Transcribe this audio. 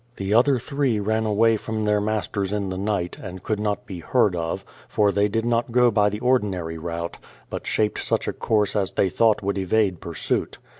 The other three ran away from their masters in the night, and could not be heard of, for they did not go by the ordinary route, but shaped such a course as they thought would evade pursuit.